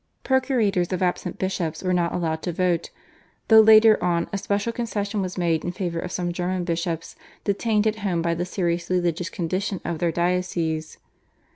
Procurators of absent bishops were not allowed to vote, though later on a special concession was made in favour of some German bishops detained at home by the serious religious condition of their dioceses.